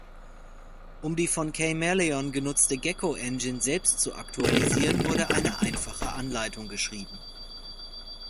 Um die von K-Meleon benutzte Gecko-Engine selbst zu aktualisieren, wurde eine einfache Anleitung geschrieben.